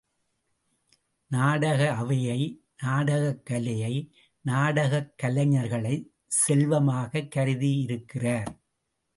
நாடக அவையை, நாடகக்கலையை, நாடகக் கலைஞர்களைச் செல்வமாகக் கருதியிருக்கிறார்.